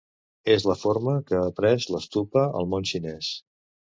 És la forma que ha pres l'stupa al món xinès.